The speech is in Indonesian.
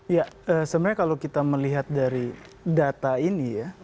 ya sebenarnya kalau kita melihat dari data ini ya